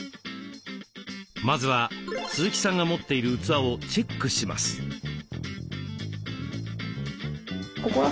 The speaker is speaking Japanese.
まずは鈴木さんが持っている器をチェックします。